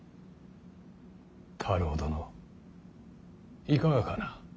太郎殿いかがかな。